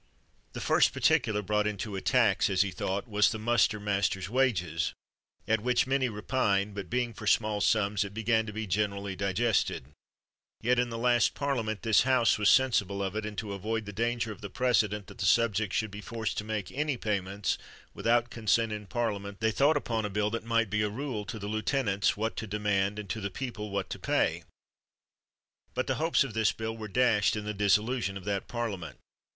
The first particular brought into a tax (as he thought) was the muster master's wages, at which many repined ; but being for small sums,, it began to be generally digested ; yet, in the last Parliament, this House was sensible of it, and to avoid the danger of the precedent that the sub jects should be forced to make any payments without consent in Parliament they thought upon a bill that might be a rule to the lieuten ants what to demand, and to the people what to pay. But the hopes of this bill were dashed in the dissolution of that Parliament.